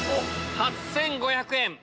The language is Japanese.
８５００円。